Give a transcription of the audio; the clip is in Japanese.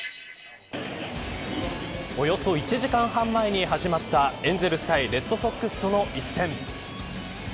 およそ１時間半前に始まったエンゼルス対レッドソックスとの一戦。